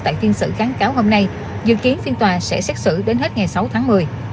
tại phiên xử kháng cáo hôm nay dự kiến phiên tòa sẽ xét xử đến hết ngày sáu tháng một mươi